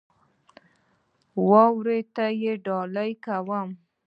ارواوو ته ډالۍ کوم.